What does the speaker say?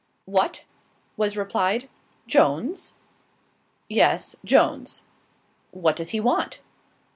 "What!" was replied; "Jones?" "Yes, Jones." "What does he want?"